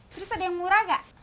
terus ada yang murah gak